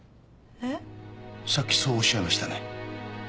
さっきそうおっしゃいましたね。